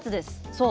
そう。